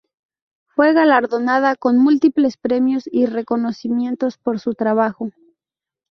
Fue galardonada con múltiples premios y reconocimientos por su trabajo.